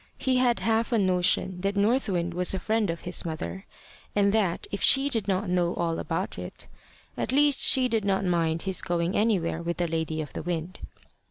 He had half a notion that North Wind was a friend of his mother, and that, if she did not know all about it, at least she did not mind his going anywhere with the lady of the wind.